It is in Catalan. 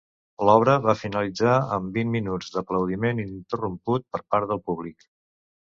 L'obra va finalitzar amb vint minuts d'aplaudiment ininterromput per part del públic.